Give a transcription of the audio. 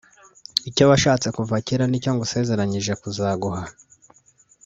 icyo washatse kuva kera nicyo ngusezeranyije kuzaguha